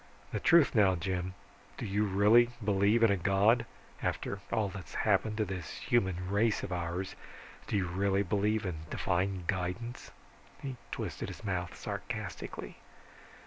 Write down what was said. The truth now, Jim, do you really believe in a God? After all that's happened to this human race of ours, do you really believe in divine guidance?" He twisted his mouth sarcastically.